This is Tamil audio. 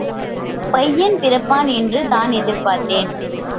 பையன் பிறப்பான் என்று தான் எதிர்பார்த்தேன்.